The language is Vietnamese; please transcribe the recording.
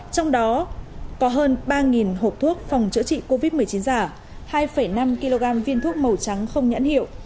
trong đó có hơn ba hộp thuốc phòng chữa trị covid một mươi chín giả hai năm kg viên thuốc màu trắng không nhãn hiệu